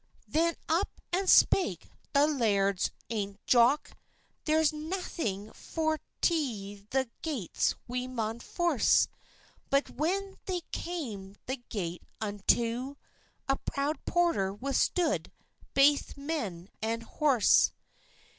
Then up and spake the Laird's ain Jock, "There's naething for't; the gates we maun force." But when they cam the gate unto, A proud porter withstood baith men and horse.